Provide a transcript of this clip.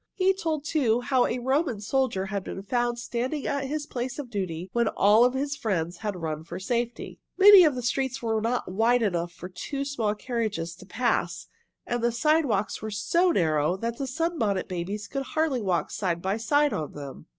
He told, too, how a Roman soldier had been found standing at his place of duty when all his friends had run for safety. Many of the streets were not wide enough for two small carriages to pass, and the sidewalks were so narrow that the Sunbonnet Babies could hardly walk side by side on them.